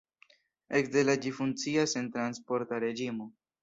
Ekde la ĝi funkcias en transporta reĝimo.